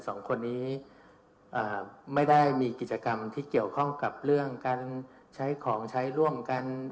สองคนนี้ไม่ได้มีกิจกรรมที่เกี่ยวข้องกับเรื่องการใช้ของใช้ร่วมกัน